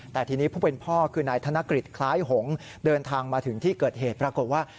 แต่ทีนี้ผู้เป็นพ่อคือนายธนกฤษคล้ายหงษ์เดินทางมาถึงที่เกิดเหตุปรากฏว่า